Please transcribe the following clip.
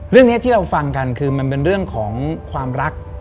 เรื่องนี้ที่เราฟังกันคือมันเป็นเรื่องของความรัก